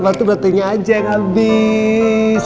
waktu baterainya aja yang habis